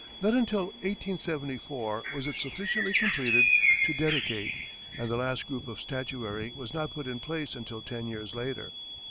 Not until 1874 was it sufficiently completed to dedicate, and the last group of statuary was not put in place until ten years later.